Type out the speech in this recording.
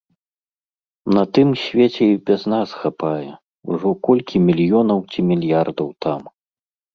На тым свеце і без нас хапае, ужо колькі мільёнаў ці мільярдаў там.